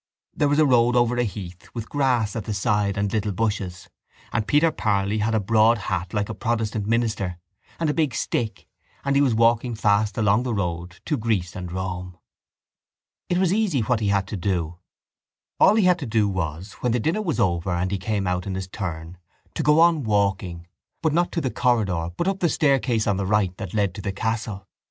There was a road over a heath with grass at the side and little bushes: and Peter Parley had a broad hat like a protestant minister and a big stick and he was walking fast along the road to Greece and Rome. It was easy what he had to do. All he had to do was when the dinner was over and he came out in his turn to go on walking but not out to the corridor but up the staircase on the right that led to the castle.